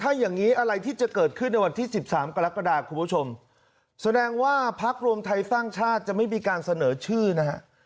ถ้าอย่างนี้อะไรที่จะเกิดขึ้นในวันที่๑๓กรกฎาคุณผู้ชมแสดงว่าพักรวมไทยสร้างชาติจะไม่มีการเสนอชื่อนะฮะ